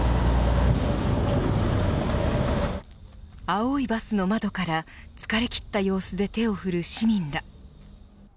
青いバスの窓から疲れきった様子で手を振る市民が。